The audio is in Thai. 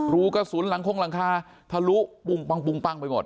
รูกระสุนหลังคลงหลังคาทะลุปุ่มปังปุ่มปังไปหมด